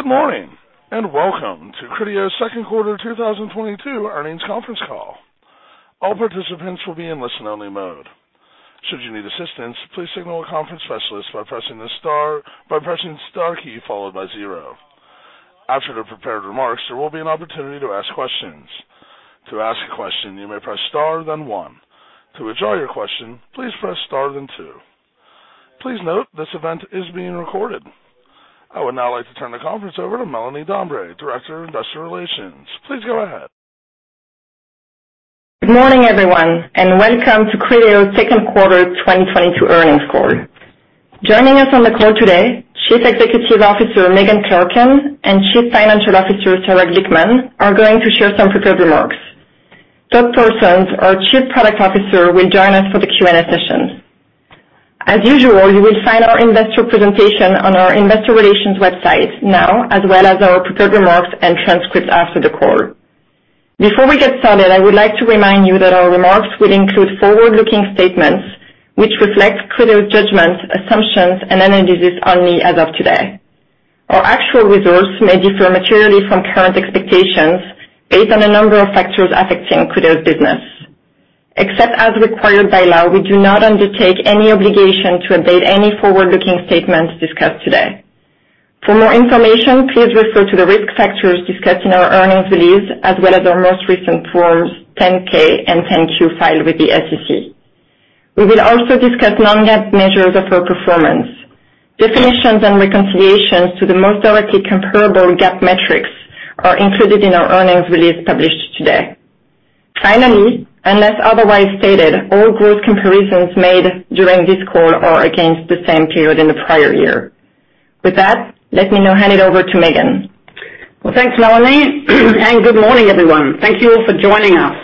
Good morning, and welcome to Criteo's second quarter 2022 earnings conference call. All participants will be in listen-only mode. Should you need assistance, please signal a conference specialist by pressing star key followed by zero. After the prepared remarks, there will be an opportunity to ask questions. To ask a question, you may press star then one. To withdraw your question, please press star then two. Please note this event is being recorded. I would now like to turn the conference over to Melanie Dambre, Director of Investor Relations. Please go ahead. Good morning, everyone, and welcome to Criteo's second quarter 2022 earnings call. Joining us on the call today, Chief Executive Officer, Megan Clarken, and Chief Financial Officer, Sarah Glickman, are going to share some prepared remarks. Todd Parsons, our Chief Product Officer, will join us for the Q&A session. As usual, you will find our investor presentation on our investor relations website now, as well as our prepared remarks and transcripts after the call. Before we get started, I would like to remind you that our remarks will include forward-looking statements which reflect Criteo's judgments, assumptions, and analyses only as of today. Our actual results may differ materially from current expectations based on a number of factors affecting Criteo's business. Except as required by law, we do not undertake any obligation to update any forward-looking statements discussed today. For more information, please refer to the risk factors discussed in our earnings release, as well as our most recent Form 10-K and 10-Q filed with the SEC. We will also discuss non-GAAP measures of our performance. Definitions and reconciliations to the most directly comparable GAAP metrics are included in our earnings release published today. Finally, unless otherwise stated, all growth comparisons made during this call are against the same period in the prior year. With that, let me now hand it over to Megan. Well, thanks, Melanie, and good morning, everyone. Thank you all for joining us.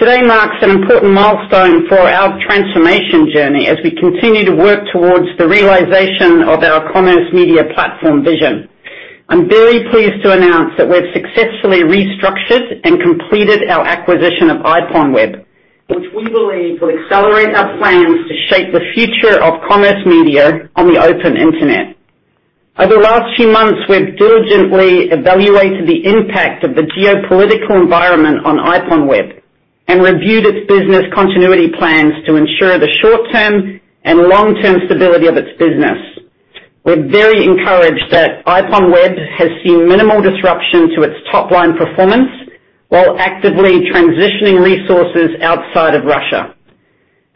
Today marks an important milestone for our transformation journey as we continue to work towards the realization of our commerce media platform vision. I'm very pleased to announce that we've successfully restructured and completed our acquisition of IPONWEB, which we believe will accelerate our plans to shape the future of commerce media on the open Internet. Over the last few months, we've diligently evaluated the impact of the geopolitical environment on IPONWEB and reviewed its business continuity plans to ensure the short-term and long-term stability of its business. We're very encouraged that IPONWEB has seen minimal disruption to its top-line performance while actively transitioning resources outside of Russia.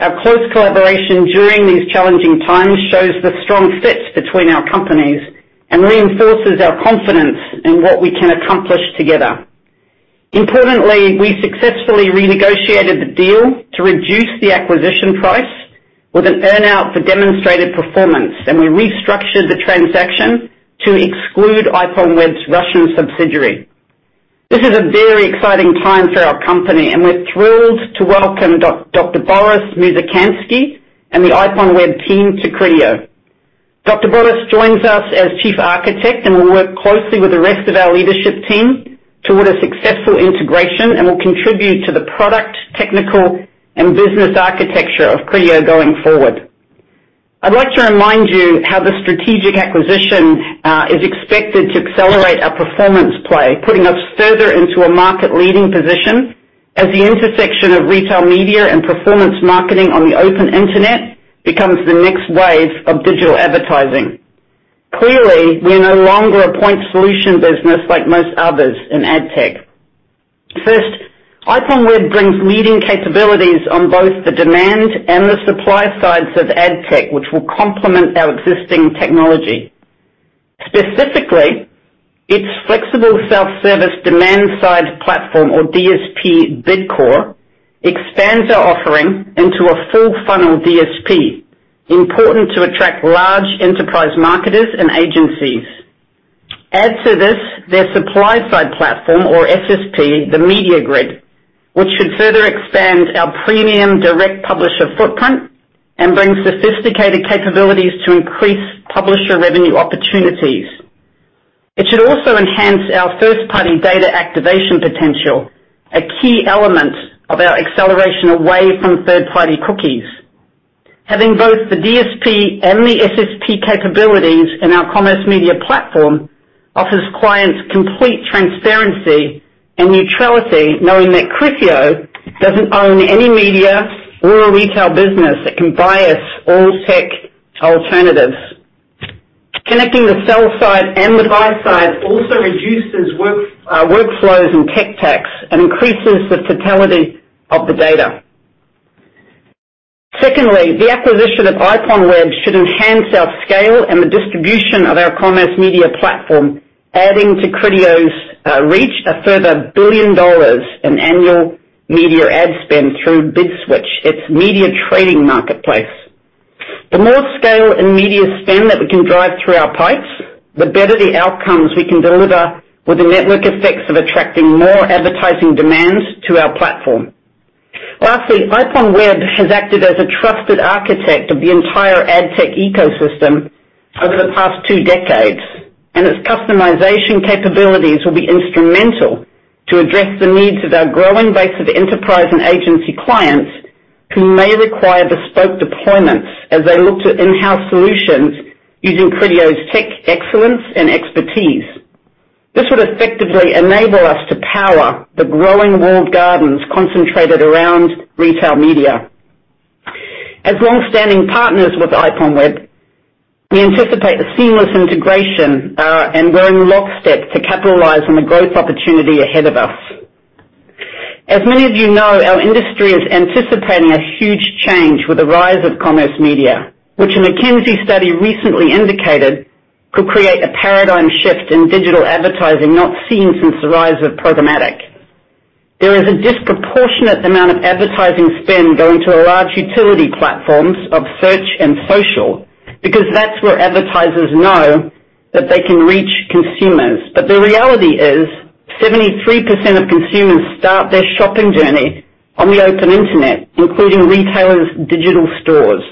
Our close collaboration during these challenging times shows the strong fits between our companies and reinforces our confidence in what we can accomplish together. Importantly, we successfully renegotiated the deal to reduce the acquisition price with an earn-out for demonstrated performance, and we restructured the transaction to exclude IPONWEB's Russian subsidiary. This is a very exciting time for our company, and we're thrilled to welcome Dr. Boris Mouzykantskii and the IPONWEB team to Criteo. Dr. Boris joins us as chief architect and will work closely with the rest of our leadership team toward a successful integration and will contribute to the product, technical, and business architecture of Criteo going forward. I'd like to remind you how the strategic acquisition is expected to accelerate our performance play, putting us further into a market-leading position as the intersection of retail media and performance marketing on the open Internet becomes the next wave of digital advertising. Clearly, we're no longer a point solution business like most others in AdTech. First, IPONWEB brings leading capabilities on both the demand and the supply sides of AdTech, which will complement our existing technology. Specifically, its flexible self-service demand-side platform or DSP, BidCore, expands our offering into a full funnel DSP, important to attract large enterprise marketers and agencies. Add to this their supply-side platform or SSP, the MediaGrid, which should further expand our premium direct publisher footprint and bring sophisticated capabilities to increase publisher revenue opportunities. It should also enhance our first-party data activation potential, a key element of our acceleration away from third-party cookies. Having both the DSP and the SSP capabilities in our commerce media platform offers clients complete transparency and neutrality, knowing that Criteo doesn't own any media or a retail business that can bias all tech alternatives. Connecting the sell side and the buy side also reduces workflows and tech stacks and increases the totality of the data. Secondly, the acquisition of IPONWEB should enhance our scale and the distribution of our commerce media platform, adding to Criteo's reach a further $1 billion in annual media ad spend through BidSwitch, its media trading marketplace. The more scale and media spend that we can drive through our pipes, the better the outcomes we can deliver with the network effects of attracting more advertising demands to our platform. Lastly, IPONWEB has acted as a trusted architect of the entire AdTech ecosystem over the past two decades, and its customization capabilities will be instrumental to address the needs of our growing base of enterprise and agency clients who may require bespoke deployments as they look to in-house solutions using Criteo's tech excellence and expertise. This would effectively enable us to power the growing walled gardens concentrated around retail media. As long-standing partners with IPONWEB, we anticipate the seamless integration, and we're in lockstep to capitalize on the growth opportunity ahead of us. As many of you know, our industry is anticipating a huge change with the rise of commerce media, which a McKinsey study recently indicated could create a paradigm shift in digital advertising not seen since the rise of programmatic. There is a disproportionate amount of advertising spend going to large utility platforms of search and social because that's where advertisers know that they can reach consumers. The reality is, 73% of consumers start their shopping journey on the open Internet, including retailers' digital stores.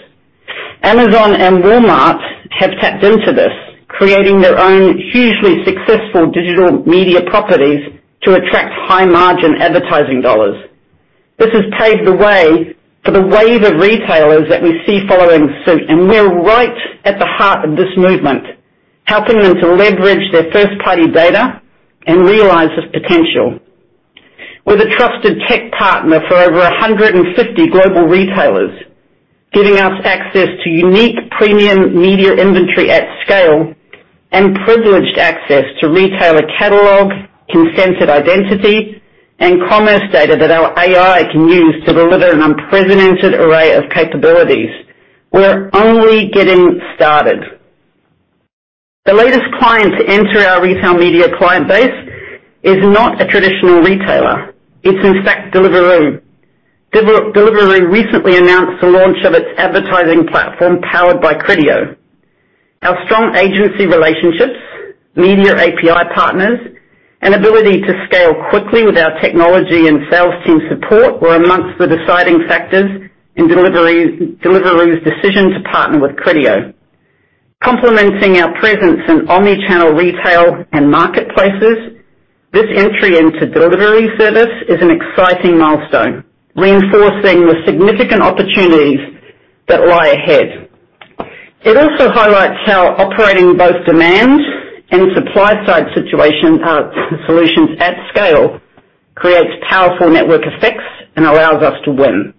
Amazon and Walmart have tapped into this, creating their own hugely successful digital media properties to attract high-margin advertising dollars. This has paved the way for the wave of retailers that we see following suit, and we're right at the heart of this movement, helping them to leverage their first-party data and realize its potential. We're the trusted tech partner for over 150 global retailers, giving us access to unique premium media inventory at scale and privileged access to retailer catalog, consented identity, and commerce data that our AI can use to deliver an unprecedented array of capabilities. We're only getting started. The latest client to enter our retail media client base is not a traditional retailer. It's in fact Deliveroo. Deliveroo recently announced the launch of its advertising platform powered by Criteo. Our strong agency relationships, media API partners, and ability to scale quickly with our technology and sales team support were among the deciding factors in Deliveroo's decision to partner with Criteo. Complementing our presence in omnichannel retail and marketplaces, this entry into delivery service is an exciting milestone, reinforcing the significant opportunities that lie ahead. It also highlights how operating both demand and supply-side solutions at scale creates powerful network effects and allows us to win.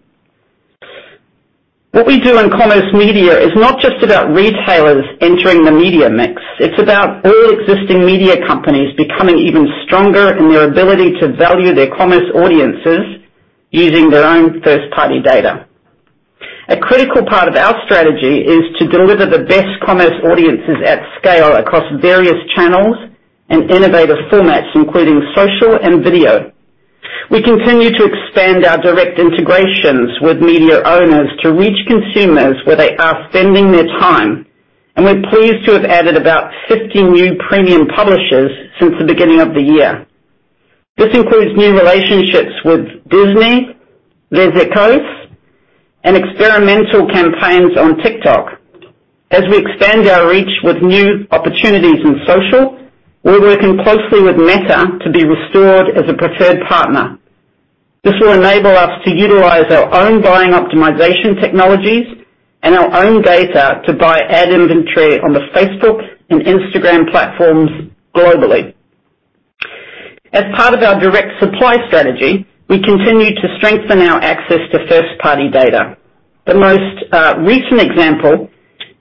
What we do in commerce media is not just about retailers entering the media mix, it's about all existing media companies becoming even stronger in their ability to value their commerce audiences using their own first-party data. A critical part of our strategy is to deliver the best commerce audiences at scale across various channels and innovative formats, including social and video. We continue to expand our direct integrations with media owners to reach consumers where they are spending their time, and we're pleased to have added about 50 new premium publishers since the beginning of the year. This includes new relationships with Disney, Les Echos, and experimental campaigns on TikTok. As we expand our reach with new opportunities in social, we're working closely with Meta to be restored as a preferred partner. This will enable us to utilize our own buying optimization technologies and our own data to buy ad inventory on the Facebook and Instagram platforms globally. As part of our direct supply strategy, we continue to strengthen our access to first-party data. The most recent example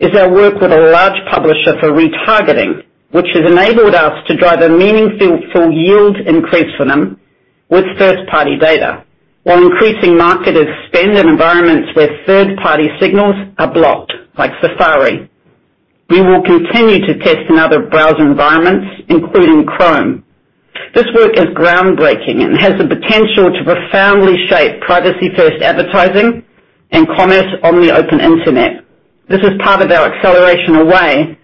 is our work with a large publisher for retargeting, which has enabled us to drive a meaningful yield increase for them with first-party data, while increasing marketers' spend in environments where third-party signals are blocked, like Safari. We will continue to test in other browser environments, including Chrome. This work is groundbreaking and has the potential to profoundly shape privacy-first advertising and commerce on the open Internet. This is part of our acceleration away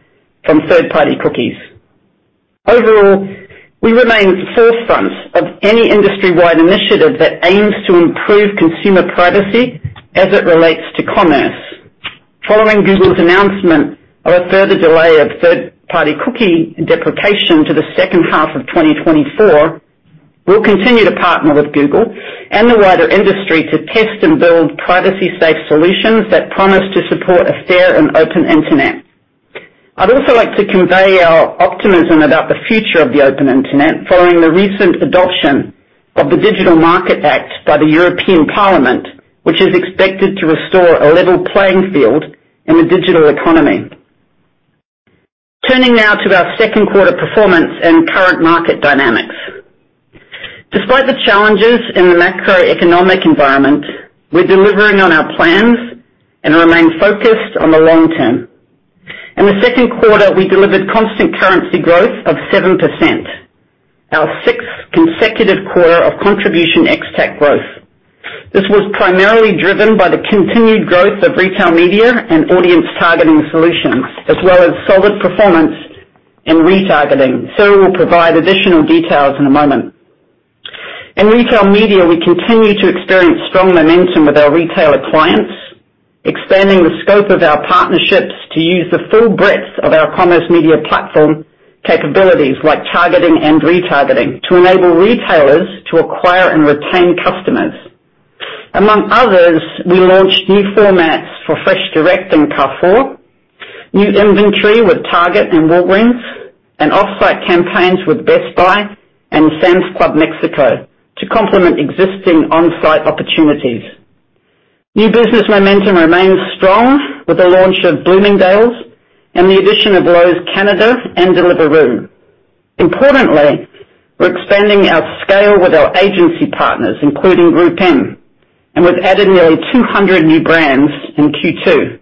from third-party cookies. Overall, we remain forefront of any industry-wide initiative that aims to improve consumer privacy as it relates to commerce. Following Google's announcement of a further delay of third-party cookie deprecation to the second half of 2024, we'll continue to partner with Google and the wider industry to test and build privacy safe solutions that promise to support a fair and open Internet. I'd also like to convey our optimism about the future of the open Internet following the recent adoption of the Digital Markets Act by the European Parliament, which is expected to restore a level playing field in the digital economy. Turning now to our second quarter performance and current market dynamics. Despite the challenges in the macroeconomic environment, we're delivering on our plans and remain focused on the long term. In the second quarter, we delivered constant currency growth of 7%, our sixth consecutive quarter of contribution ex-TAC growth. This was primarily driven by the continued growth of retail media and audience targeting solutions, as well as solid performance in retargeting. Sarah will provide additional details in a moment. In retail media, we continue to experience strong momentum with our retailer clients, expanding the scope of our partnerships to use the full breadth of our commerce media platform capabilities, like targeting and retargeting, to enable retailers to acquire and retain customers. Among others, we launched new formats for FreshDirect and Carrefour, new inventory with Target and Walgreens, and off-site campaigns with Best Buy and Sam's Club Mexico to complement existing on-site opportunities. New business momentum remains strong with the launch of Bloomingdale's and the addition of Lowe's Canada and Deliveroo. Importantly, we're expanding our scale with our agency partners, including GroupM, and we've added nearly 200 new brands in Q2.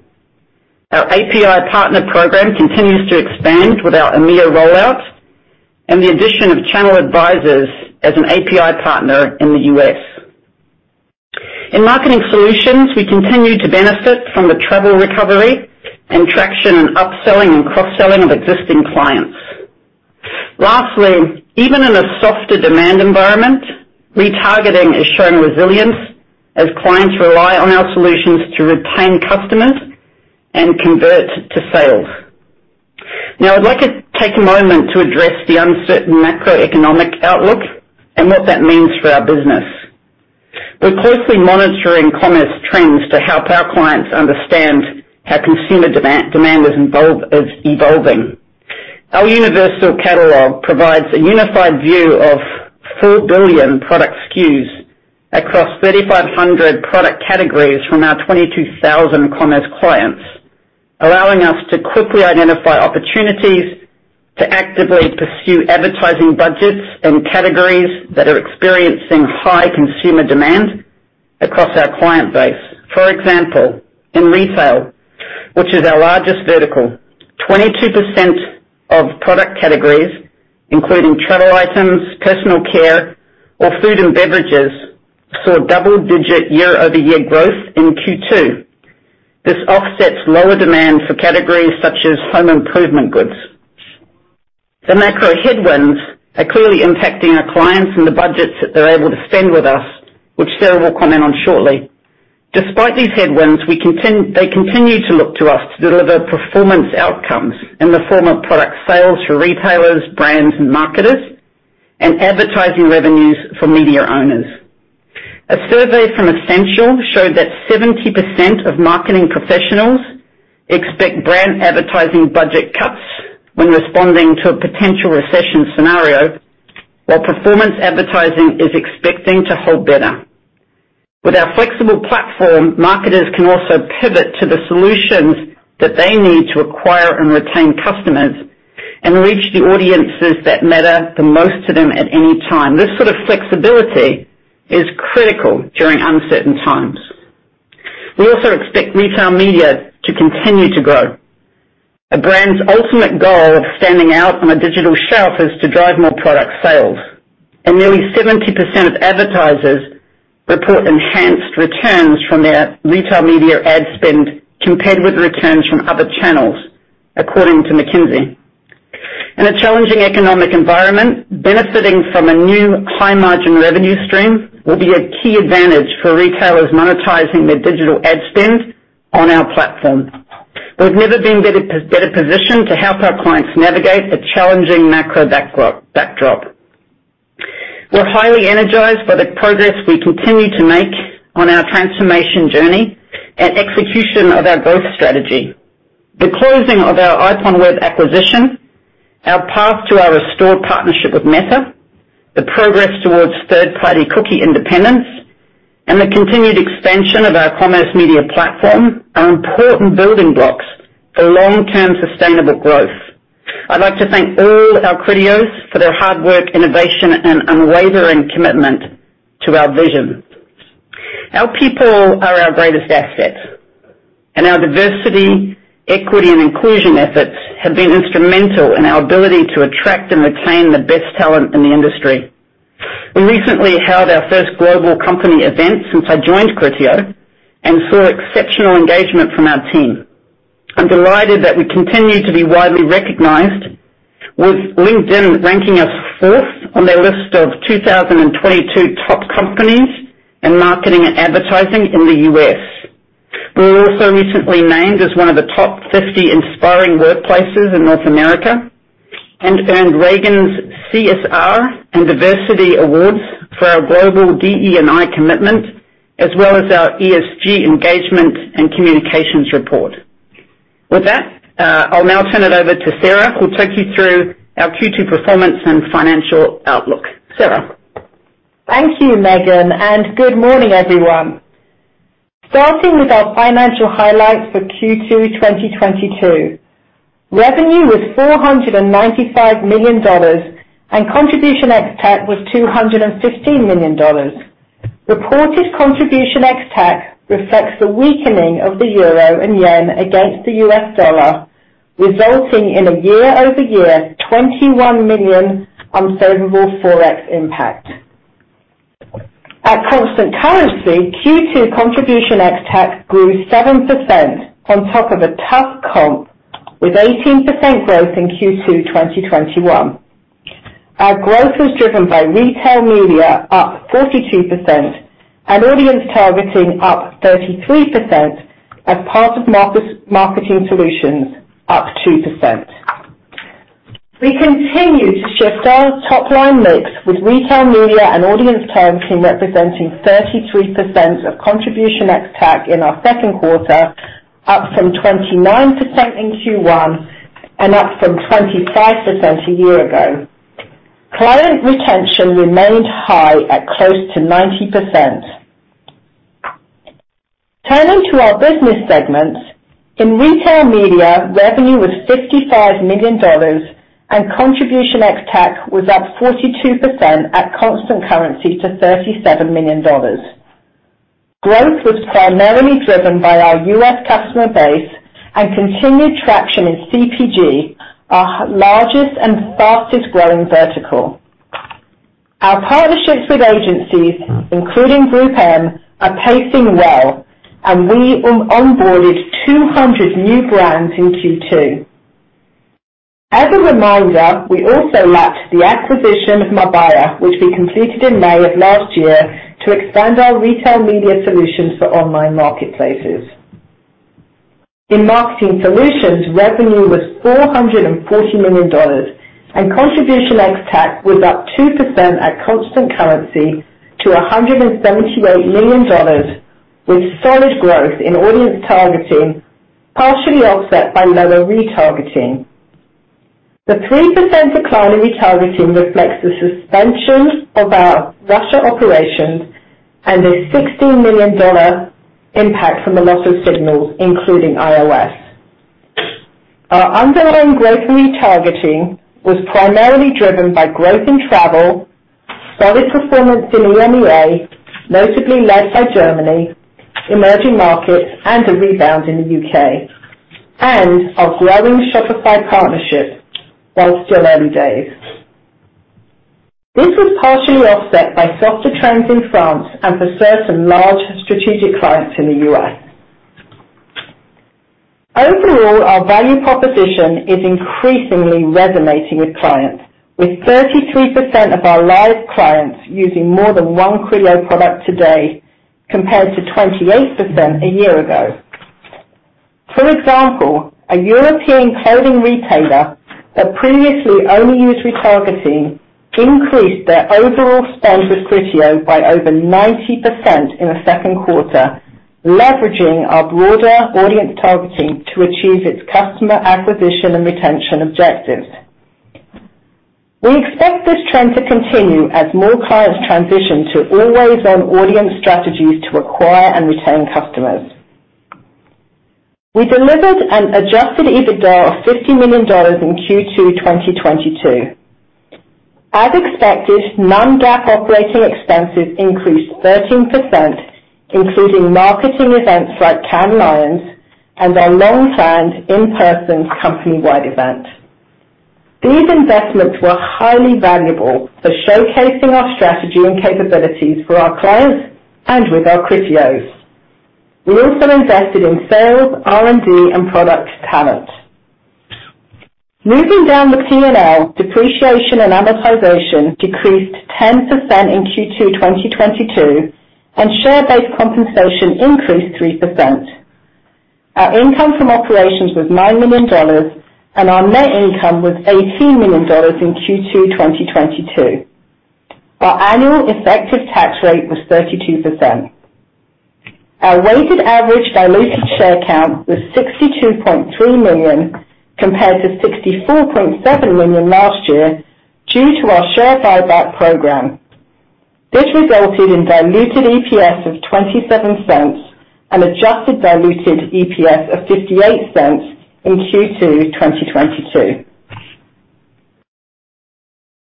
Our API partner program continues to expand with our EMEA rollout and the addition of ChannelAdvisor as an API partner in the U.S. In marketing solutions, we continue to benefit from the travel recovery and traction in upselling and cross-selling of existing clients. Lastly, even in a softer demand environment, retargeting is showing resilience as clients rely on our solutions to retain customers and convert to sales. Now, I'd like to take a moment to address the uncertain macroeconomic outlook and what that means for our business. We're closely monitoring commerce trends to help our clients understand how consumer demand is evolving. Our universal catalog provides a unified view of 4 billion product SKUs across 3,500 product categories from our 22,000 commerce clients, allowing us to quickly identify opportunities to actively pursue advertising budgets and categories that are experiencing high consumer demand across our client base. For example, in retail, which is our largest vertical, 22% of product categories, including travel items, personal care or food and beverages, saw double-digit year-over-year growth in Q2. This offsets lower demand for categories such as home improvement goods. The macro headwinds are clearly impacting our clients and the budgets that they're able to spend with us, which Sarah will comment on shortly. Despite these headwinds, they continue to look to us to deliver performance outcomes in the form of product sales for retailers, brands, and marketers, and advertising revenues for media owners. A survey from Accenture showed that 70% of marketing professionals expect brand advertising budget cuts when responding to a potential recession scenario, while performance advertising is expecting to hold better. With our flexible platform, marketers can also pivot to the solutions that they need to acquire and retain customers and reach the audiences that matter the most to them at any time. This sort of flexibility is critical during uncertain times. We also expect retail media to continue to grow. A brand's ultimate goal of standing out on a digital shelf is to drive more product sales, and nearly 70% of advertisers report enhanced returns from their retail media ad spend compared with returns from other channels, according to McKinsey. In a challenging economic environment, benefiting from a new high-margin revenue stream will be a key advantage for retailers monetizing their digital ad spend on our platform. We've never been better positioned to help our clients navigate a challenging macro backdrop. We're highly energized by the progress we continue to make on our transformation journey and execution of our growth strategy. The closing of our IPONWEB acquisition, our path to our restored partnership with Meta, the progress towards third-party cookie independence, and the continued expansion of our commerce media platform are important building blocks for long-term sustainable growth. I'd like to thank all our Criteos for their hard work, innovation, and unwavering commitment to our vision. Our people are our greatest asset, and our diversity, equity, and inclusion efforts have been instrumental in our ability to attract and retain the best talent in the industry. We recently held our first global company event since I joined Criteo and saw exceptional engagement from our team. I'm delighted that we continue to be widely recognized, with LinkedIn ranking us fourth on their list of 2022 top companies in marketing and advertising in the U.S. We were also recently named as one of the top 50 inspiring workplaces in North America and earned Ragan's CSR & Diversity Awards for our global DE&I commitment, as well as our ESG Engagement and Communications Report. With that, I'll now turn it over to Sarah, who'll take you through our Q2 performance and financial outlook. Sarah? Thank you, Megan, and good morning, everyone. Starting with our financial highlights for Q2 2022. Revenue was $495 million, and contribution ex-TAC was $215 million. Reported contribution ex-TAC reflects the weakening of the euro and yen against the U.S. dollar, resulting in a year-over-year $21 million unfavorable forex impact. At constant currency, Q2 contribution ex-TAC grew 7% on top of a tough comp with 18% growth in Q2 2021. Our growth was driven by retail media up 42% and audience targeting up 33% as part of marketing solutions up 2%. We continue to shift our top-line mix with retail media and audience targeting, representing 33% of contribution ex-TAC in our second quarter, up from 29% in Q1 and up from 25% a year ago. Client retention remained high at close to 90%. Turning to our business segments. In retail media, revenue was $55 million and contribution ex-TAC was up 42% at constant currency to $37 million. Growth was primarily driven by our U.S. customer base and continued traction in CPG, our largest and fastest growing vertical. Our partnerships with agencies, including GroupM, are pacing well and we onboarded 200 new brands in Q2. As a reminder, we also lapped the acquisition of Mabaya, which we completed in May of last year, to expand our retail media solutions for online marketplaces. In marketing solutions, revenue was $440 million and contribution ex-TAC was up 2% at constant currency to $178 million, with solid growth in audience targeting, partially offset by lower retargeting. The 3% decline in retargeting reflects the suspension of our Russia operations and a $60 million impact from the loss of signals, including iOS. Our underlying growth in retargeting was primarily driven by growth in travel, solid performance in EMEA, notably led by Germany, emerging markets and a rebound in the U.K., and our growing Shopify partnership, while still early days. This was partially offset by softer trends in France and for certain large strategic clients in the U.S. Overall, our value proposition is increasingly resonating with clients, with 33% of our live clients using more than one Criteo product today, compared to 28% a year ago. For example, a European clothing retailer that previously only used retargeting increased their overall spend with Criteo by over 90% in the second quarter, leveraging our broader audience targeting to achieve its customer acquisition and retention objectives. We expect this trend to continue as more clients transition to always-on audience strategies to acquire and retain customers. We delivered an adjusted EBITDA of $50 million in Q2 2022. As expected, non-GAAP operating expenses increased 13%, including marketing events like Cannes Lions and our long-standing in-person company-wide event. These investments were highly valuable for showcasing our strategy and capabilities for our clients and with our Criteo’s. We also invested in sales, R&D, and product talent. Moving down the P&L, depreciation and amortization decreased 10% in Q2 2022 and share-based compensation increased 3%. Our income from operations was $9 million, and our net income was $18 million in Q2 2022. Our annual effective tax rate was 32%. Our weighted average diluted share count was 62.3 million, compared to 64.7 million last year, due to our share buyback program. This resulted in diluted EPS of $0.27 and adjusted diluted EPS of $0.58 in Q2 2022.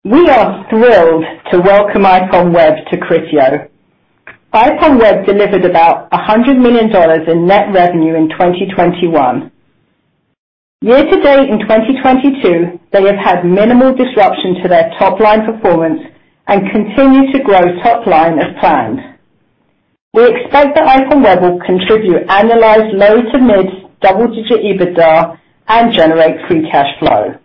We are thrilled to welcome IPONWEB to Criteo. IPONWEB delivered about $100 million in net revenue in 2021. Year to date, in 2022, they have had minimal disruption to their top-line performance and continue to grow top line as planned. We expect that IPONWEB will contribute annualized low to mid-double-digit EBITDA and generate free cash flow.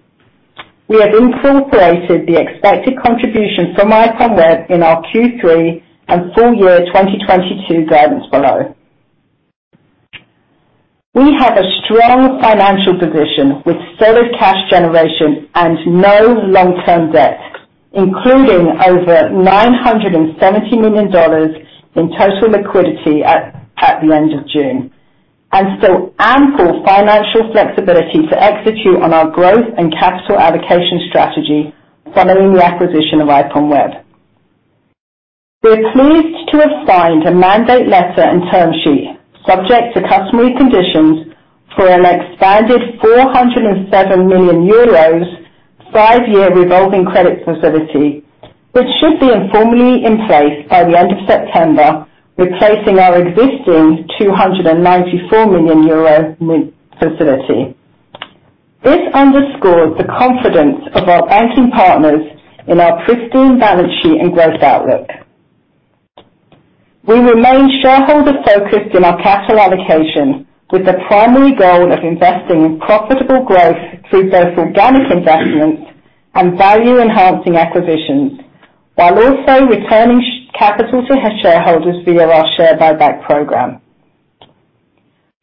We have incorporated the expected contribution from IPONWEB in our Q3 and full year 2022 guidance below. We have a strong financial position with solid cash generation and no long-term debt, including over $970 million in total liquidity at the end of June. Still ample financial flexibility to execute on our growth and capital allocation strategy following the acquisition of IPONWEB. We are pleased to have signed a mandate letter and term sheet subject to customary conditions for an expanded 407 million euros 5-year revolving credit facility, which should be informally in place by the end of September, replacing our existing 294 million euro mid-term facility. This underscores the confidence of our banking partners in our pristine balance sheet and growth outlook. We remain shareholder focused in our capital allocation, with the primary goal of investing in profitable growth through both organic investments and value-enhancing acquisitions, while also returning share capital to our shareholders via our share buyback program.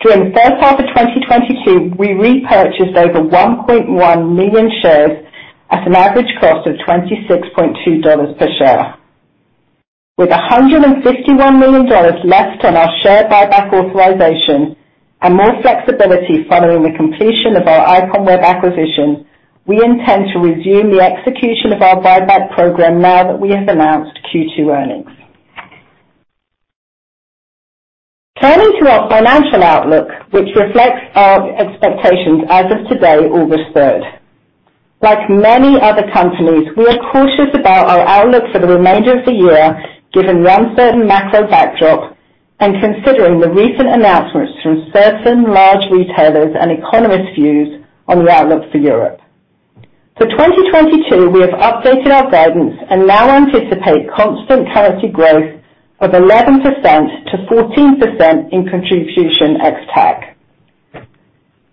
During the first half of 2022, we repurchased over 1.1 million shares at an average cost of $26.2 per share. With $151 million left on our share buyback authorization and more flexibility following the completion of our IPONWEB acquisition, we intend to resume the execution of our buyback program now that we have announced Q2 earnings. Turning to our financial outlook, which reflects our expectations as of today, August 3rd. Like many other companies, we are cautious about our outlook for the remainder of the year, given the uncertain macro backdrop and considering the recent announcements from certain large retailers and economists' views on the outlook for Europe. For 2022, we have updated our guidance and now anticipate constant currency growth of 11%-14% in contribution ex-TAC.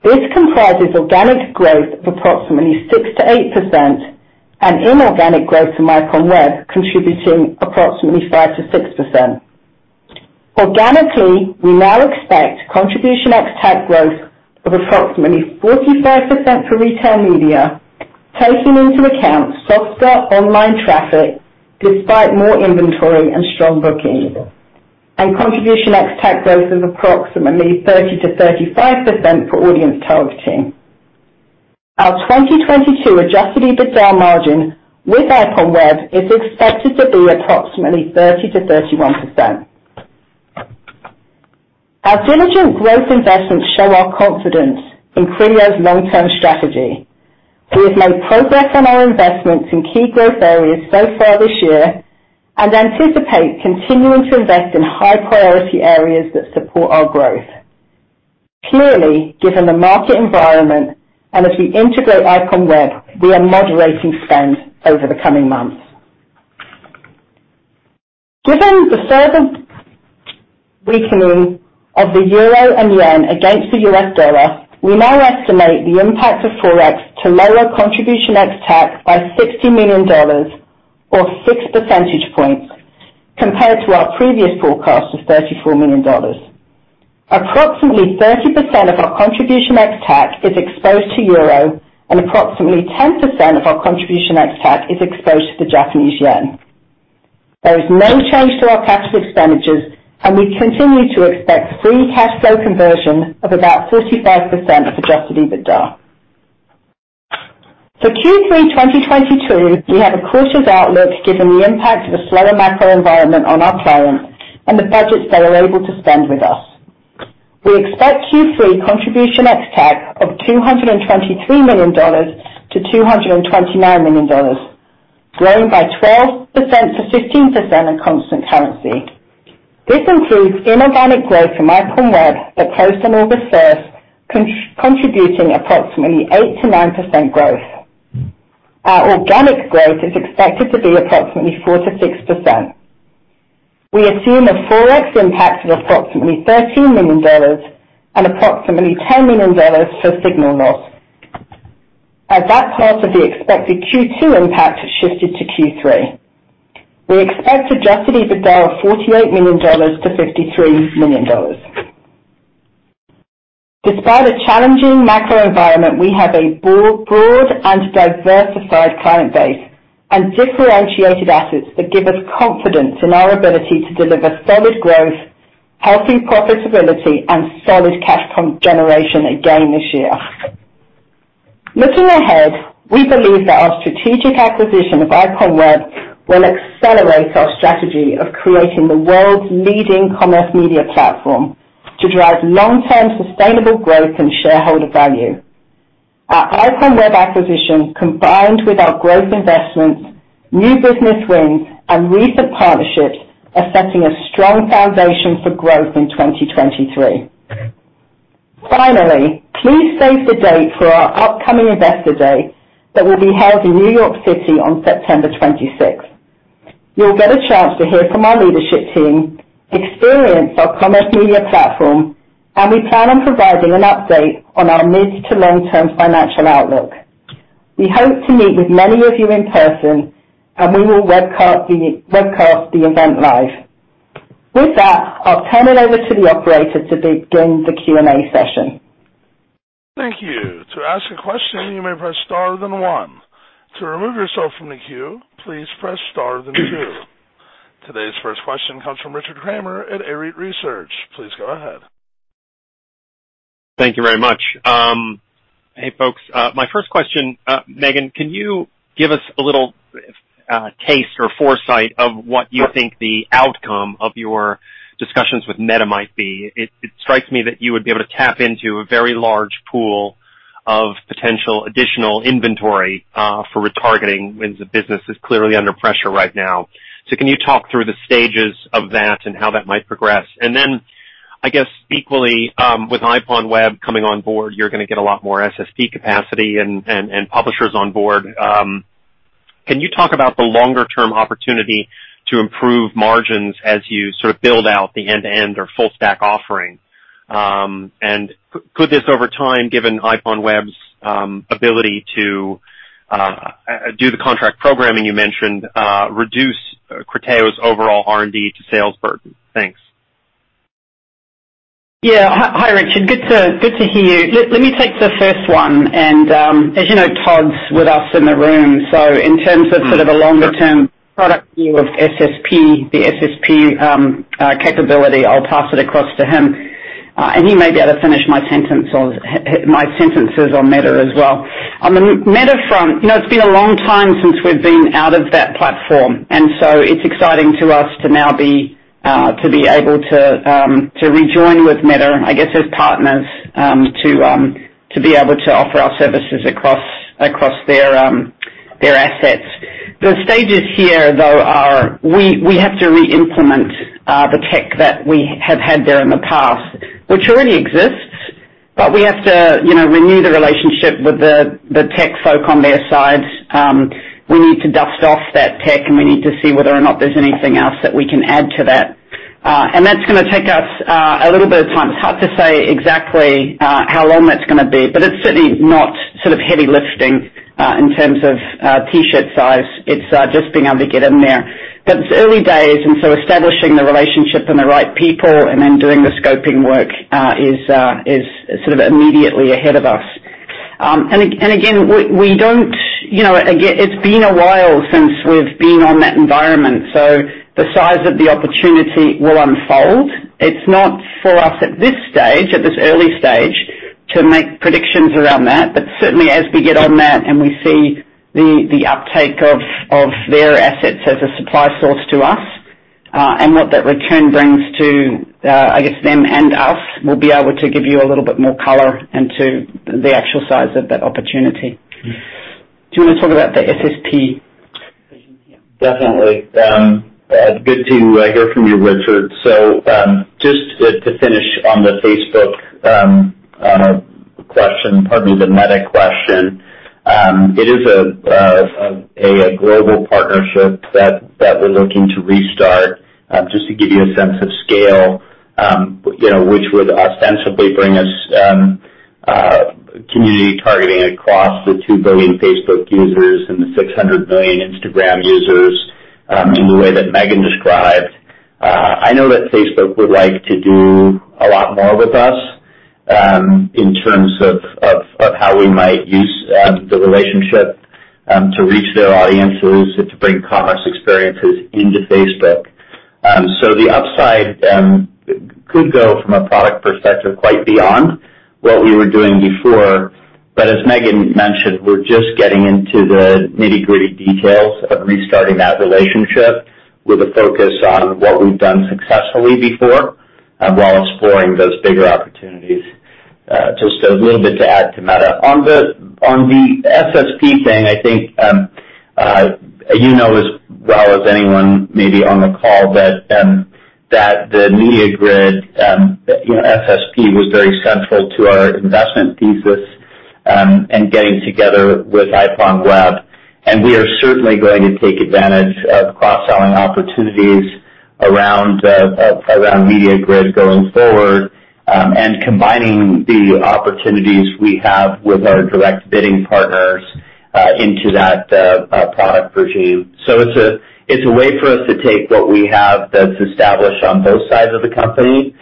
This comprises organic growth of approximately 6%-8% and inorganic growth from IPONWEB contributing approximately 5%-6%. Organically, we now expect contribution ex-TAC growth of approximately 45% for retail media, taking into account softer online traffic despite more inventory and strong bookings. Contribution ex-TAC growth of approximately 30%-35% for audience targeting. Our 2022 adjusted EBITDA margin with IPONWEB is expected to be approximately 30%-31%. Our diligent growth investments show our confidence in Criteo's long-term strategy. We have made progress on our investments in key growth areas so far this year and anticipate continuing to invest in high priority areas that support our growth. Clearly, given the market environment and as we integrate IPONWEB, we are moderating spend over the coming months. Given the further weakening of the euro and yen against the U.S. dollar, we now estimate the impact of forex to lower contribution ex-TAC by $60 million or 6 percentage points compared to our previous forecast of $34 million. Approximately 30% of our contribution ex-TAC is exposed to euro, and approximately 10% of our contribution ex-TAC is exposed to the Japanese yen. There is no change to our cash expenditures, and we continue to expect free cash flow conversion of about 35% of adjusted EBITDA. For Q3 2022, we have a cautious outlook given the impact of a slower macro environment on our clients and the budgets they are able to spend with us. We expect Q3 contribution ex-TAC of $223 million-$229 million, growing by 12%-15% in constant currency. This includes inorganic growth from IPONWEB that closed on August 1st, contributing approximately 8%-9% growth. Our organic growth is expected to be approximately 4%-6%. We assume a forex impact of approximately $13 million and approximately $10 million for signal loss, as that part of the expected Q2 impact shifted to Q3. We expect adjusted EBITDA of $48 million-$53 million. Despite a challenging macro environment, we have a broad and diversified client base and differentiated assets that give us confidence in our ability to deliver solid growth, healthy profitability, and solid cash flow generation again this year. Looking ahead, we believe that our strategic acquisition of IPONWEB will accelerate our strategy of creating the world's leading commerce media platform to drive long-term sustainable growth and shareholder value. Our IPONWEB acquisition, combined with our growth investments, new business wins, and recent partnerships, are setting a strong foundation for growth in 2023. Finally, please save the date for our upcoming Investor Day that will be held in New York City on September 26th. You'll get a chance to hear from our leadership team, experience our commerce media platform, and we plan on providing an update on our mid to long-term financial outlook. We hope to meet with many of you in person, and we will webcast the event live. With that, I'll turn it over to the operator to begin the Q&A session. Thank you. To ask a question, you may press star then one. To remove yourself from the queue, please press star then two. Today's first question comes from Richard Kramer at Arete Research. Please go ahead. Thank you very much. Hey, folks. My first question, Megan, can you give us a little taste or foresight of what you think the outcome of your discussions with Meta might be? It strikes me that you would be able to tap into a very large pool of potential additional inventory for retargeting when the business is clearly under pressure right now. Can you talk through the stages of that and how that might progress? I guess equally, with IPONWEB coming on board, you're gonna get a lot more SSP capacity and publishers on board. Can you talk about the longer term opportunity to improve margins as you sort of build out the end-to-end or full stack offering? Could this, over time, given IPONWEB's ability to do the contract programming you mentioned, reduce Criteo's overall R&D to sales burden? Thanks. Yeah. Hi, Richard. Good to hear you. Let me take the first one. As you know, Todd's with us in the room, so in terms of sort of the longer term product view of SSP, the SSP capability, I'll pass it across to him, and he may be able to finish my sentences on Meta as well. On the Meta front, you know, it's been a long time since we've been out of that platform, and so it's exciting to us to now be able to rejoin with Meta, I guess, as partners, to be able to offer our services across their assets. The stages here, though, are we have to reimplement the tech that we have had there in the past, which already exists, but we have to, you know, renew the relationship with the tech folk on their side. We need to dust off that tech, and we need to see whether or not there's anything else that we can add to that. That's gonna take us a little bit of time. It's hard to say exactly how long that's gonna be, but it's certainly not sort of heavy lifting in terms of T-shirt size. It's just being able to get in there. It's early days, and so establishing the relationship and the right people and then doing the scoping work is sort of immediately ahead of us. Again, we don't, you know, it's been a while since we've been on that environment, so the size of the opportunity will unfold. It's not for us at this stage, at this early stage, to make predictions around that. Certainly as we get on that and we see the uptake of their assets as a supply source to us, and what that return brings to, I guess, them and us, we'll be able to give you a little bit more color into the actual size of that opportunity. Do you wanna talk about the SSP? Definitely. Good to hear from you, Richard. Just to finish on the Facebook question, pardon me, the Meta question, it is a global partnership that we're looking to restart, just to give you a sense of scale, you know, which would ostensibly bring us community targeting across the 2 billion Facebook users and the 600 million Instagram users, in the way that Megan described. I know that Facebook would like to do a lot more with us, in terms of how we might use the relationship to reach their audiences and to bring commerce experiences into Facebook. The upside could go from a product perspective quite beyond what we were doing before. As Megan mentioned, we're just getting into the nitty-gritty details of restarting that relationship with a focus on what we've done successfully before while exploring those bigger opportunities. Just a little bit to add to Meta. On the SSP thing, I think you know as well as anyone maybe on the call that the MediaGrid SSP was very central to our investment thesis in getting together with IPONWEB. We are certainly going to take advantage of cross-selling opportunities around MediaGrid going forward and combining the opportunities we have with our direct bidding partners into that product regime. It's a way for us to take what we have that's established on both sides of the company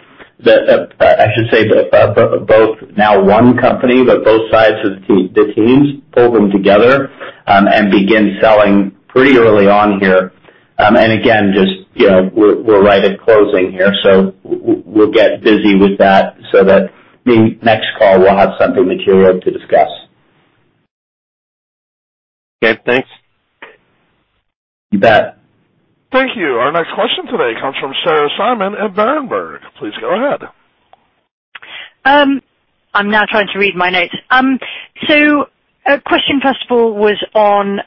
that I should say both now one company, but both sides of the teams, pull them together, and begin selling pretty early on here. Again, just, you know, we're right at closing here, so we'll get busy with that so that maybe next call we'll have something material to discuss. Okay, thanks. You bet. Thank you. Our next question today comes from Sarah Simon at Berenberg. Please go ahead. I'm now trying to read my notes. So a question first of all was on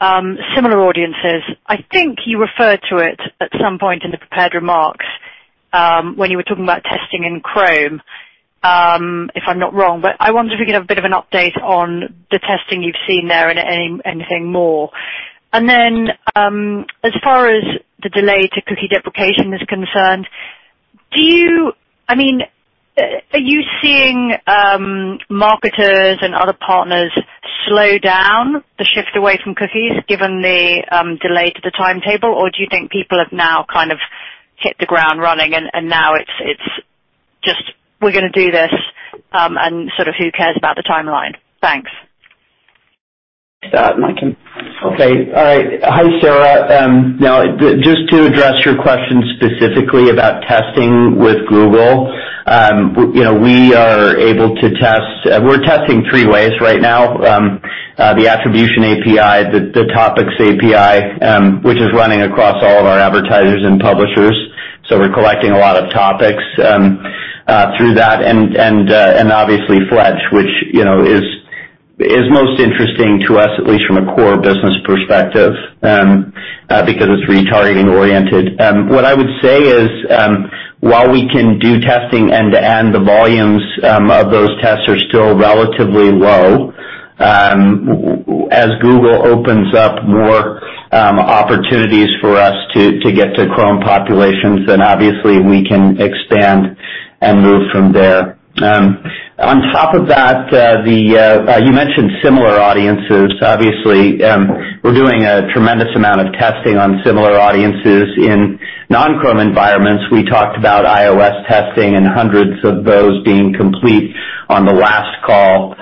similar audiences. I think you referred to it at some point in the prepared remarks when you were talking about testing in Chrome if I'm not wrong. I wonder if we could have a bit of an update on the testing you've seen there and anything more. Then as far as the delay to cookie deprecation is concerned, do you I mean are you seeing marketers and other partners slow down the shift away from cookies given the delay to the timetable? Or do you think people have now kind of hit the ground running and now it's just we're gonna do this and sort of who cares about the timeline? Thanks. Okay. All right. Hi, Sarah. Now, just to address your question specifically about testing with Google, you know, we are able to test. We're testing three ways right now. The Attribution API, the Topics API, which is running across all of our advertisers and publishers, so we're collecting a lot of topics through that, and obviously, FLEDGE, which, you know, is most interesting to us, at least from a core business perspective. Because it's retargeting-oriented. What I would say is, while we can do testing end-to-end, the volumes of those tests are still relatively low. As Google opens up more opportunities for us to get to Chrome populations, then obviously we can expand and move from there. On top of that, you mentioned similar audiences. Obviously, we're doing a tremendous amount of testing on similar audiences in non-Chrome environments. We talked about iOS testing and hundreds of those being complete on the last call,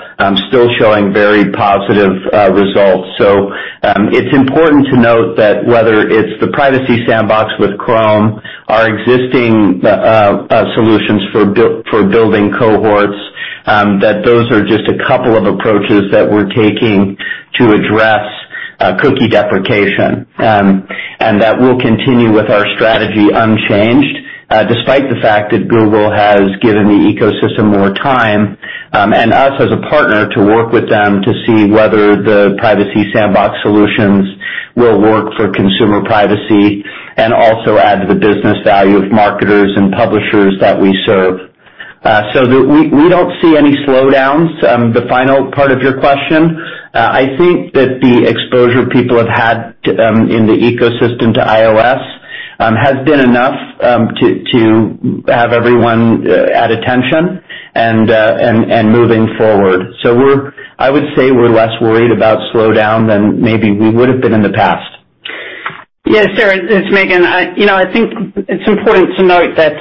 still showing very positive results. It's important to note that whether it's the Privacy Sandbox with Chrome, our existing solutions for building cohorts, that those are just a couple of approaches that we're taking to address cookie deprecation. That will continue with our strategy unchanged, despite the fact that Google has given the ecosystem more time, and us as a partner to work with them to see whether the Privacy Sandbox solutions will work for consumer privacy and also add to the business value of marketers and publishers that we serve. We don't see any slowdowns. The final part of your question, I think that the exposure people have had to in the ecosystem to iOS has been enough to have everyone at attention and moving forward. I would say we're less worried about slowdown than maybe we would have been in the past. Yes, Sarah, it's Megan. You know, I think it's important to note that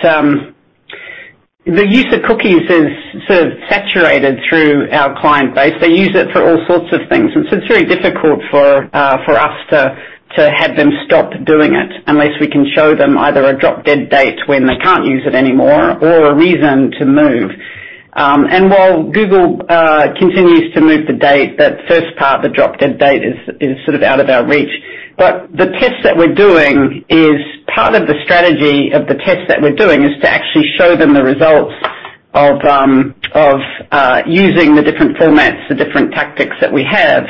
the use of cookies is sort of saturated through our client base. They use it for all sorts of things, and so it's very difficult for us to have them stop doing it unless we can show them either a drop-dead date when they can't use it anymore or a reason to move. While Google continues to move the date, that first part, the drop-dead date is sort of out of our reach. But the tests that we're doing is part of the strategy of the tests that we're doing is to actually show them the results of using the different formats, the different tactics that we have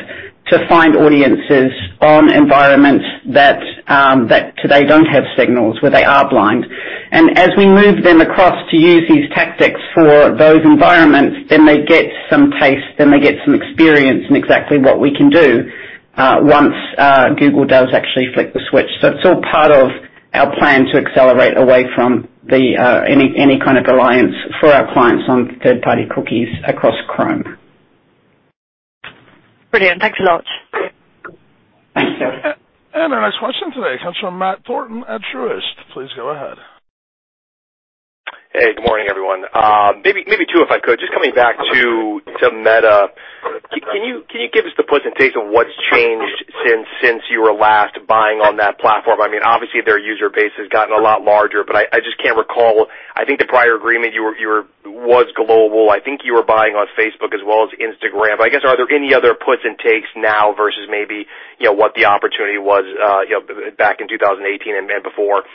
to find audiences on environments that today don't have signals, where they are blind. As we move them across to use these tactics for those environments, then they get some taste, then they get some experience in exactly what we can do, once Google does actually flip the switch. It's all part of our plan to accelerate away from the any kind of reliance for our clients on third-party cookies across Chrome. Brilliant. Thanks a lot. Thanks, Sarah. Our next question today comes from Matt Thornton at Truist. Please go ahead. Hey, good morning, everyone. Maybe two, if I could. Just coming back to Meta, can you give us the puts and takes of what's changed since you were last buying on that platform? I mean, obviously, their user base has gotten a lot larger, but I just can't recall. I think the prior agreement was global. I think you were buying on Facebook as well as Instagram. I guess, are there any other puts and takes now versus maybe, you know, what the opportunity was, you know, back in 2018 and then before?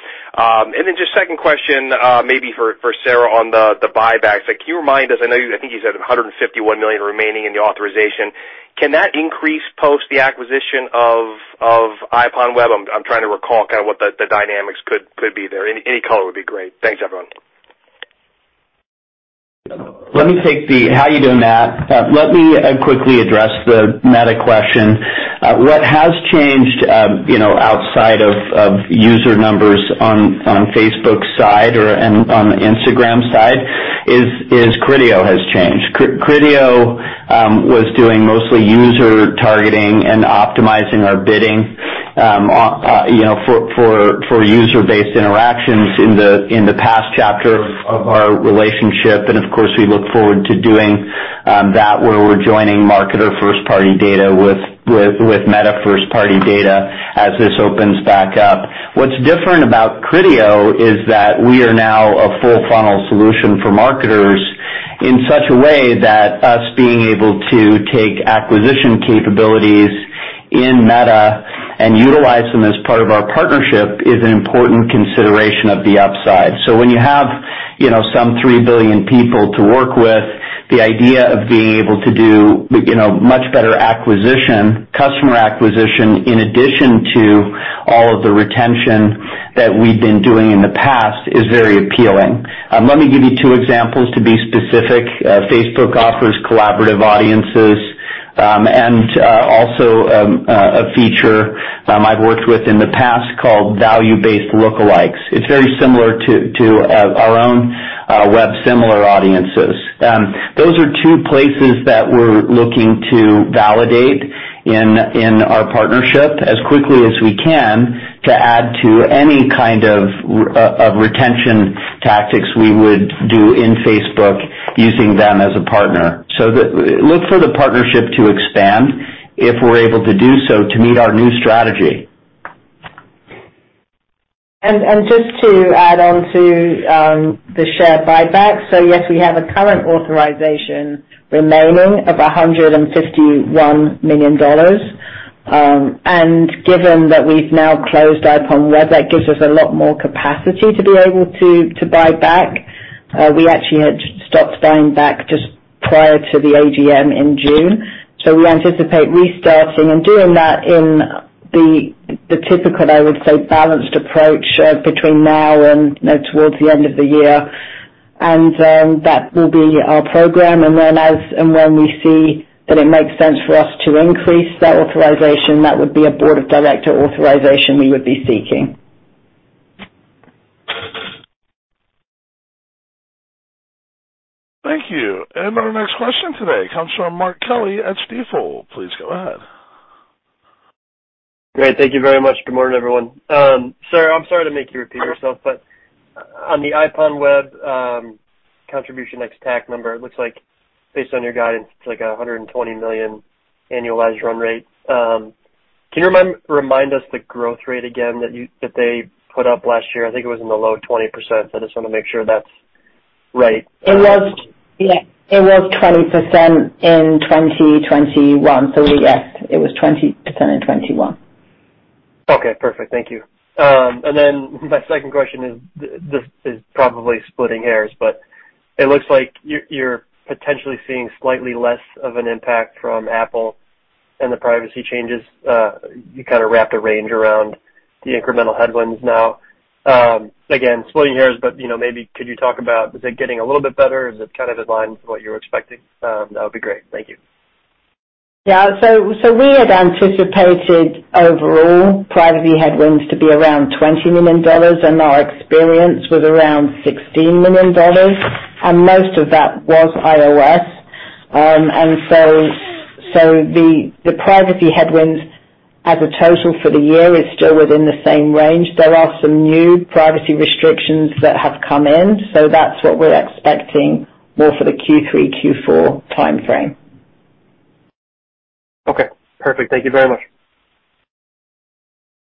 Just second question, maybe for Sarah on the buybacks. Can you remind us? I know I think you said $151 million remaining in the authorization. Can that increase post the acquisition of IPONWEB? I'm trying to recall kind of what the dynamics could be there. Any color would be great. Thanks, everyone. How you doing, Matt? Let me quickly address the Meta question. What has changed, outside of user numbers on Facebook's side or and on Instagram side is Criteo has changed. Criteo was doing mostly user targeting and optimizing our bidding, you know, for user-based interactions in the past chapter of our relationship. Of course, we look forward to doing that where we're joining marketer first-party data with Meta first-party data as this opens back up. What's different about Criteo is that we are now a full funnel solution for marketers in such a way that us being able to take acquisition capabilities in Meta and utilize them as part of our partnership is an important consideration of the upside. When you have, you know, some 3 billion people to work with, the idea of being able to do, you know, much better acquisition, customer acquisition, in addition to all of the retention that we've been doing in the past is very appealing. Let me give you two examples to be specific. Facebook offers collaborative ads and also a feature I've worked with in the past called value-based lookalikes. It's very similar to our own similar audiences. Those are two places that we're looking to validate in our partnership as quickly as we can to add to any kind of retention tactics we would do in Facebook using them as a partner. Look for the partnership to expand if we're able to do so to meet our new strategy. Just to add on to the share buyback. Yes, we have a current authorization remaining of $151 million. Given that we've now closed IPONWEB, that gives us a lot more capacity to be able to buy back. We actually had stopped buying back just prior to the AGM in June. We anticipate restarting and doing that in the typical, I would say, balanced approach, between now and towards the end of the year. That will be our program. As and when we see that it makes sense for us to increase that authorization, that would be a Board of Director authorization we would be seeking. Thank you. Our next question today comes from Mark Kelley at Stifel. Please go ahead. Great. Thank you very much. Good morning, everyone. Sarah, I'm sorry to make you repeat yourself, but on the IPONWEB, contribution ex-TAC number, it looks like based on your guidance, it's like $120 million annualized run rate. Can you remind us the growth rate again that they put up last year? I think it was in the low 20%. I just want to make sure that's right. It was, yeah, it was 20% in 2021. Yes, it was 20% in 2021. Okay, perfect. Thank you. My second question is, this is probably splitting hairs, but it looks like you're potentially seeing slightly less of an impact from Apple and the privacy changes. You kind of wrapped a range around the incremental headwinds now. Again, splitting hairs, but you know, maybe could you talk about, is it getting a little bit better? Is it kind of in line with what you're expecting? That would be great. Thank you. Yeah. We had anticipated overall privacy headwinds to be around $20 million, and our experience was around $16 million, and most of that was iOS. The privacy headwinds as a total for the year is still within the same range. There are some new privacy restrictions that have come in. That's what we're expecting more for the Q3, Q4 time frame. Okay, perfect. Thank you very much.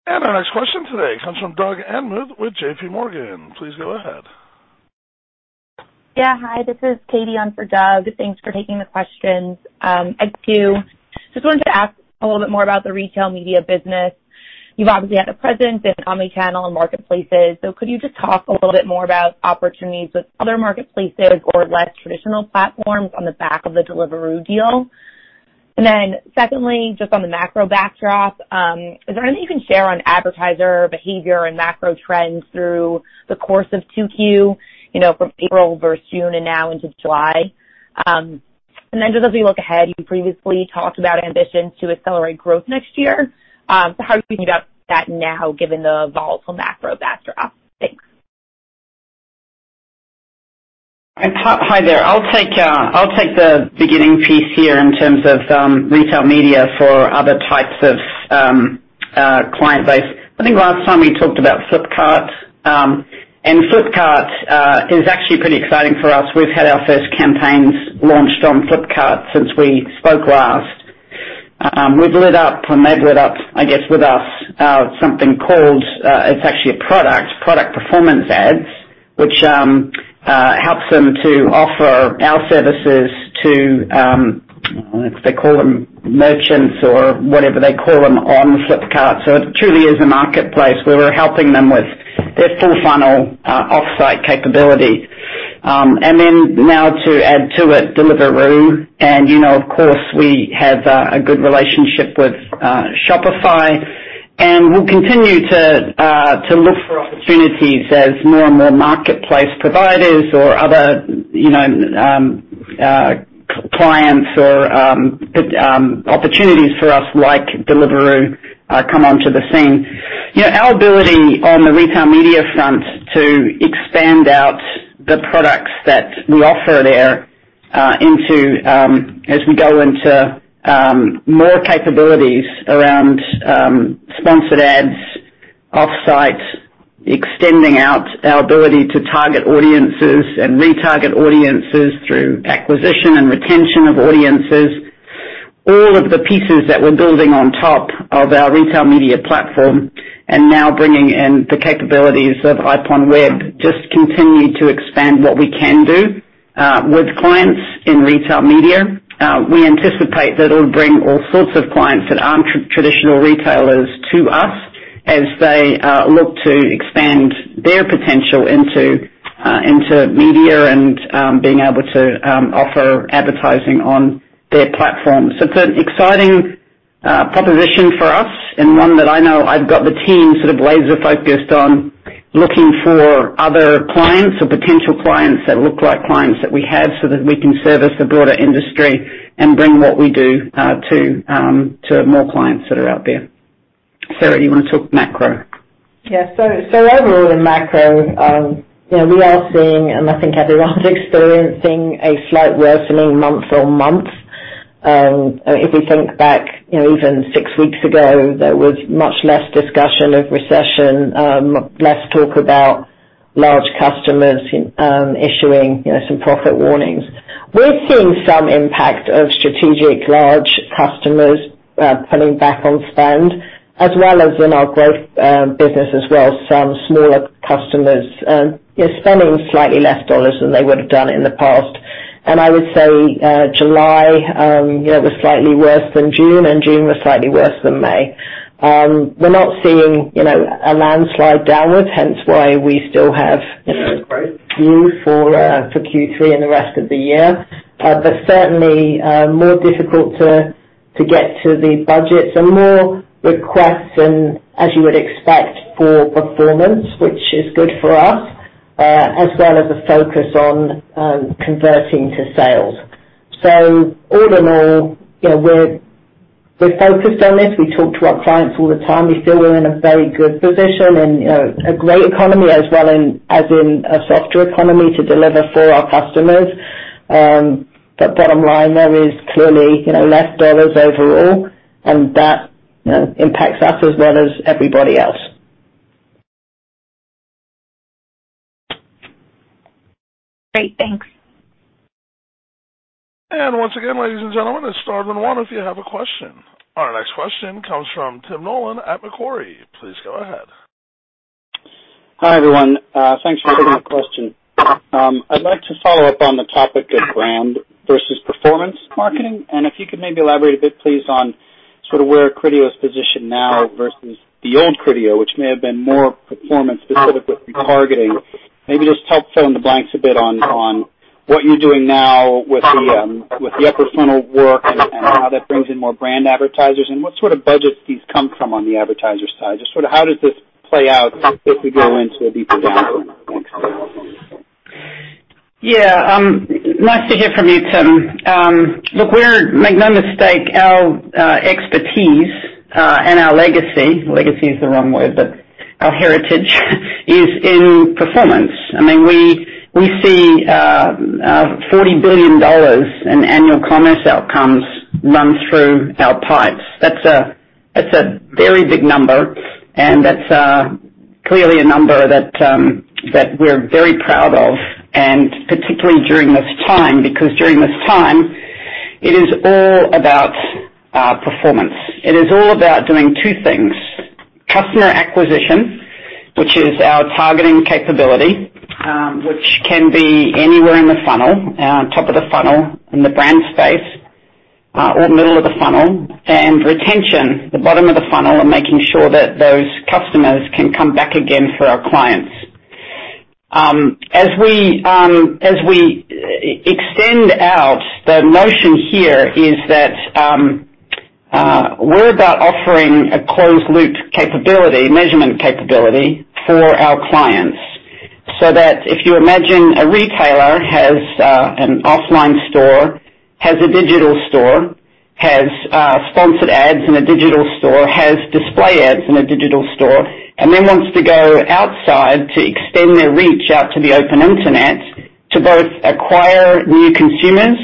Our next question today comes from Doug Anmuth with JPMorgan. Please go ahead. Yeah, hi, this is Katie on for Doug. Thanks for taking the questions. Just wanted to ask a little bit more about the retail media business. You've obviously had a presence in commerce channel and marketplaces. Could you just talk a little bit more about opportunities with other marketplaces or less traditional platforms on the back of the Deliveroo deal? Secondly, just on the macro backdrop, is there anything you can share on advertiser behavior and macro trends through the course of 2Q, you know, from April versus June and now into July? Just as we look ahead, you previously talked about ambition to accelerate growth next year. How are you thinking about that now, given the volatile macro backdrop? Thanks. Hi there. I'll take the beginning piece here in terms of retail media for other types of client base. I think last time we talked about Flipkart. Flipkart is actually pretty exciting for us. We've had our first campaigns launched on Flipkart since we spoke last. We've lit up, or they've lit up, I guess, with us something called it's actually a product performance ads, which helps them to offer our services to if they call them merchants or whatever they call them on Flipkart. It truly is a marketplace where we're helping them with their full funnel off-site capability. Now to add to it, Deliveroo. You know, of course, we have a good relationship with Shopify, and we'll continue to look for opportunities as more and more marketplace providers or other, you know, clients or opportunities for us, like Deliveroo, come onto the scene. You know, our ability on the retail media front to expand out the products that we offer there into, as we go into, more capabilities around sponsored ads, off-site, extending out our ability to target audiences and retarget audiences through acquisition and retention of audiences. All of the pieces that we're building on top of our retail media platform and now bringing in the capabilities of IPONWEB just continue to expand what we can do with clients in retail media. We anticipate that it'll bring all sorts of clients that aren't traditional retailers to us as they look to expand their potential into media and being able to offer advertising on their platforms. It's an exciting proposition for us and one that I know I've got the team sort of laser-focused on looking for other clients or potential clients that look like clients that we have so that we can service the broader industry and bring what we do to more clients that are out there. Sarah, you want to talk macro? Yeah. So overall in macro, you know, we are seeing, and I think everyone's experiencing a slight worsening month-over-month. If we think back, you know, even six weeks ago, there was much less discussion of recession, less talk about large customers issuing, you know, some profit warnings. We're seeing some impact of strategic large customers pulling back on spend as well as in our growth business as well, some smaller customers spending slightly less dollars than they would have done in the past. I would say July, you know, was slightly worse than June, and June was slightly worse than May. We're not seeing, you know, a landslide downward, hence why we still have, you know, view for Q3 and the rest of the year. Certainly more difficult to get to the budgets and more requests and as you would expect for performance, which is good for us, as well as the focus on converting to sales. All in all, you know, we're focused on this. We talk to our clients all the time. We feel we're in a very good position and, you know, a great economy as well in a softer economy to deliver for our customers. Bottom line, there is clearly, you know, less dollars overall and that, you know, impacts us as well as everybody else. Great. Thanks. Once again, ladies and gentlemen, it's star one if you have a question. Our next question comes from Tim Nollen at Macquarie. Please go ahead. Hi, everyone. Thanks for taking the question. I'd like to follow up on the topic of brand versus performance marketing, and if you could maybe elaborate a bit, please, on sort of where Criteo is positioned now versus the old Criteo, which may have been more performance specific with retargeting. Maybe just help fill in the blanks a bit on what you're doing now with the upper funnel work and how that brings in more brand advertisers and what sort of budgets these come from on the advertiser side. Just sort of how does this play out as we go into a deeper downturn? Thanks. Yeah, nice to hear from you, Tim. Look, make no mistake, our expertise and our legacy. Legacy is the wrong word, but our heritage is in performance. I mean, we see $40 billion in annual commerce outcomes run through our pipes. That's a very big number, and that's clearly a number that we're very proud of, and particularly during this time, because during this time, it is all about performance. It is all about doing two things. Customer acquisition, which is our targeting capability, which can be anywhere in the funnel, top of the funnel in the brand space, or middle of the funnel, and retention, the bottom of the funnel, and making sure that those customers can come back again for our clients. As we extend out, the notion here is that we're about offering a closed-loop capability, measurement capability for our clients. That if you imagine a retailer has an offline store, has a digital store, has sponsored ads in a digital store, has display ads in a digital store, and then wants to go outside to extend their reach out to the open internet to both acquire new consumers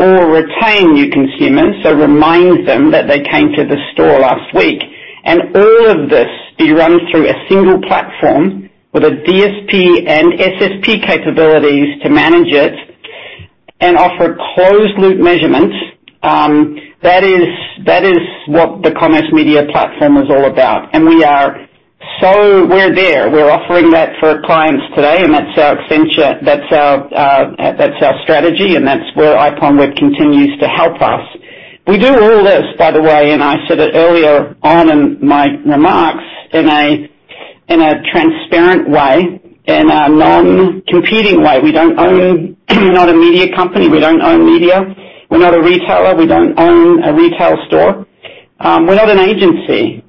or retain new consumers. Remind them that they came to the store last week. All of this, it runs through a single platform with a DSP and SSP capabilities to manage it and offer closed-loop measurements. That is what the commerce media platform is all about. We're there. We're offering that for our clients today, and that's our extension, that's our strategy, and that's where IPONWEB continues to help us. We do all this, by the way, and I said it earlier on in my remarks, in a transparent way, in a non-competing way. We don't own. We're not a media company. We don't own media. We're not a retailer. We don't own a retail store. We're not an agency.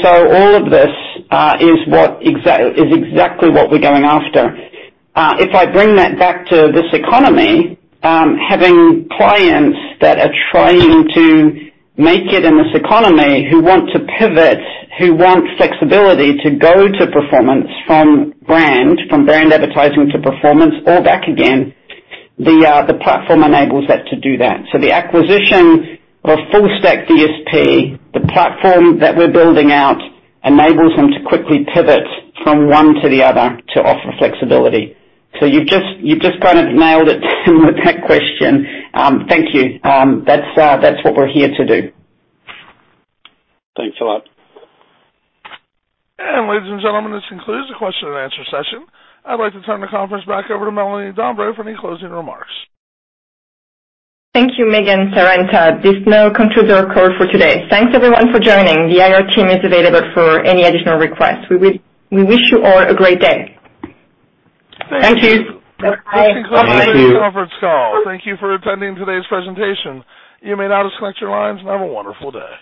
All of this is exactly what we're going after. If I bring that back to this economy, having clients that are trying to make it in this economy, who want to pivot, who want flexibility to go to performance from brand advertising to performance or back again, the platform enables that to do that. The acquisition of full-stack DSP, the platform that we're building out, enables them to quickly pivot from one to the other to offer flexibility. You've just kind of nailed it too with that question. Thank you. That's what we're here to do. Thanks a lot. Ladies and gentlemen, this concludes the question-and-answer session. I'd like to turn the conference back over to Melanie Dambre for any closing remarks. Thank you, Megan, Sarah, and Todd. There's no concluding remarks for today. Thanks, everyone, for joining. The IR team is available for any additional requests. We wish you all a great day. Thank you. Thank you. Thank you. That concludes today's conference call. Thank you for attending today's presentation. You may now disconnect your lines, and have a wonderful day.